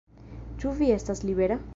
Ĉu vi estas libera?